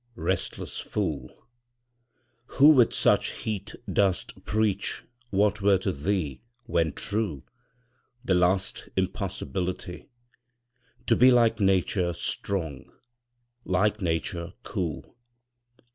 Restless fool, Who with such heat dost preach what were to thee, When true, the last impossibility To be like Nature strong, like Nature cool!